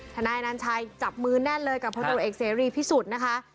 นายอนัญชัยจับมือแน่นเลยกับพลตรวจเอกเสรีพิสุทธิ์นะคะ